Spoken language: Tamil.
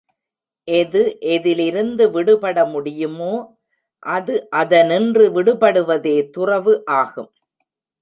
எது எதிலிருந்து விடுபட முடியுமோ அது அதனின்று விடுபடுவதே துறவு ஆகும்.